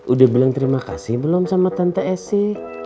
udah bilang terima kasih belum sama tante esi